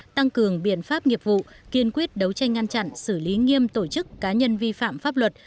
tăng cường biện pháp nghiệp vụ kiên quyết đấu tranh ngăn chặn xử lý nghiêm tổ chức cá nhân vi phạm pháp luật